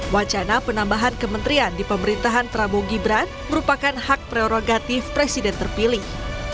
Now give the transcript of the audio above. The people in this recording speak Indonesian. wacana penambahan kementerian di pemerintahan prabowo gibran merupakan hak prerogatif presiden terpilih